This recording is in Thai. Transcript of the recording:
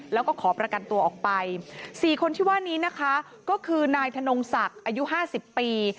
แล้วก็ขอประกันตัวออกไป๔คนที่ว่านี้นะคะก็คือนายธนงศักดิ์อายุ๕๐ปี